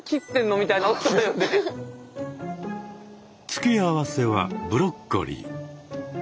付け合わせはブロッコリー。